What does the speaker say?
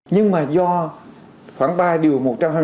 nhưng mà do khoảng ba điều một trăm hai mươi